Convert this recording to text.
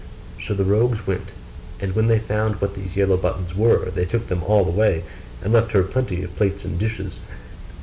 So the rogues went: and when they found what these yellow buttons were, they took them all away, and left her plenty of plates and dishes.